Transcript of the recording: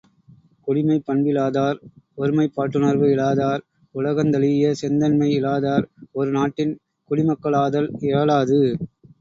குடிமைப் பண்பிலாதார், ஒருமைப்பாட்டுணர்வு இலாதார், உலகந்தழீஇய செந்தண்மை இலாதார் ஒரு நாட்டின் குடிமக்களாதல் இயலாது.